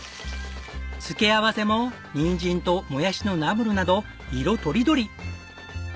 付け合わせもニンジンとモヤシのナムルなど色とりどり。